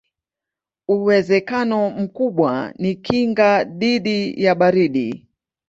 Uwezekano mkubwa ni kinga dhidi ya baridi.